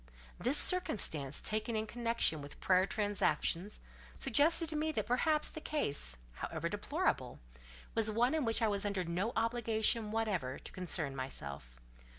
This circumstance, taken in connection with prior transactions, suggested to me that perhaps the case, however deplorable, was one in which I was under no obligation whatever to concern myself.